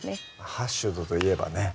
ハッシュドといえばね